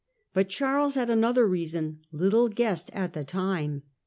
But Charles had another reason, little guessed at the time.